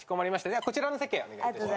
ではこちらの席へお願いします。